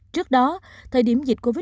trước đó thời điểm dịch covid một mươi chín